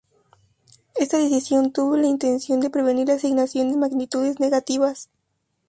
Esta decisión tuvo la intención de prevenir la asignación de magnitudes negativas.